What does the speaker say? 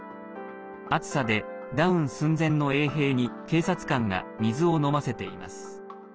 暑さでダウン寸前の衛兵に警察官が水を飲ませています。